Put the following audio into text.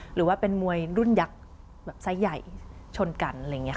หรือว่าเป็นมวยรุ่นยักษ์ไซส์ใหญ่ชนกัน